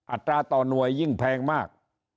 ตราต่อหน่วยยิ่งแพงมาก